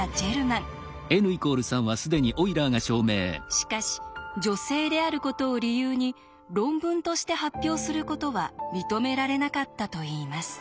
しかし女性であることを理由に論文として発表することは認められなかったといいます。